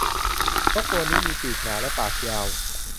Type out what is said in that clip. นกตัวนี้มีปีกหนา และปากยาว